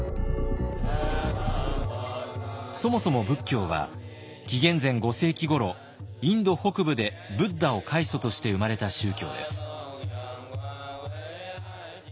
そもそも仏教は紀元前５世紀ごろインド北部でブッダを開祖として生まれた宗教です。